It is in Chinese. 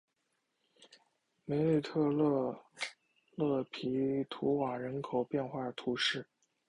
梅内特勒勒皮图瓦人口变化图示